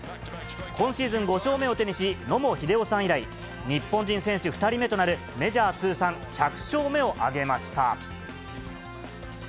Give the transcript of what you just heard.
今シーズン５勝目を手にし、野茂英雄さん以来、日本人選手２人目となる、メジャー通算１００勝目を挙げました。